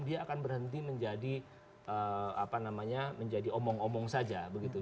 dia akan berhenti menjadi omong omong saja begitu